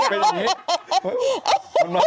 เพื่อนทนะขัง